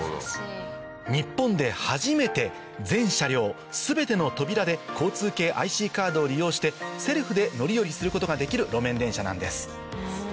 日本で初めて全車両全ての扉で交通系ＩＣカードを利用してセルフで乗り降りすることができる路面電車なんです